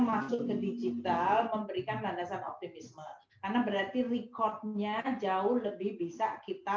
masuk ke digital memberikan landasan optimisme karena berarti recordnya jauh lebih bisa kita